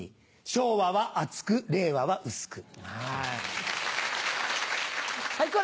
昭和は厚く令和は薄く。